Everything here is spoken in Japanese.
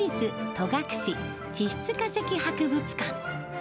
戸隠地質化石博物館。